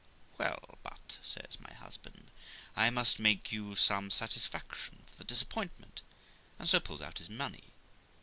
'Well, but', says my husband, 'I must make you some satisfaction for the disappointment'; and so pulls out his money.